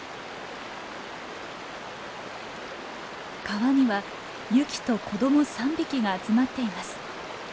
川にはユキと子ども３匹が集まっています。